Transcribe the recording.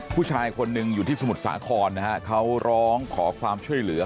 ผู้ชายคนหนึ่งอยู่ที่สมุทรสาครนะฮะเขาร้องขอความช่วยเหลือ